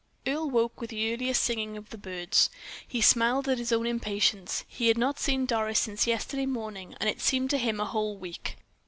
Earle woke with the earliest singing of the birds. He smiled at his own impatience. He had not seen Doris since yesterday morning, and it seemed to him a whole week.